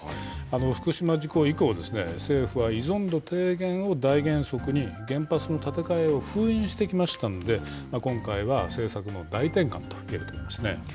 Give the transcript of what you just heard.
福島事故以降、政府は依存度低減を大原則に、原発の建て替えを封印してきましたんで、今回は政策の大転換と言えると思いますね。